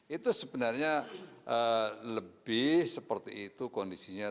itu sebenarnya lebih seperti itu kondisinya